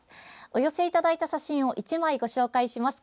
お寄せいただいた写真を１枚ご紹介します。